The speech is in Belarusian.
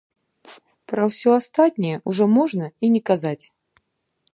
Пра ўсё астатняе ўжо можна і не казаць.